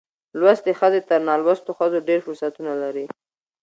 لوستې ښځې تر نالوستو ښځو ډېر فرصتونه لري.